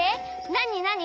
なになに？